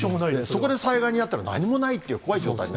そこで災害に遭ったら、何もないっていう怖い状態。